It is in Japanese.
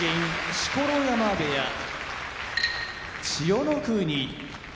錣山部屋千代の国